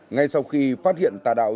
ngay sau khi phát hiện tà đạo